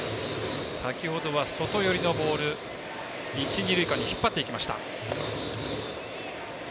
先ほどは外寄りのボール一、二塁間に引っ張っていきました。